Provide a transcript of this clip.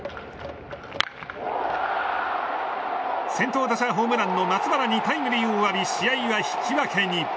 先頭打者ホームランの松原にタイムリーを浴び試合は引き分けに。